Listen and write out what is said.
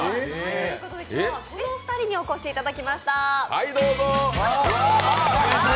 ということで今日はこのお二人にお越しいただきました。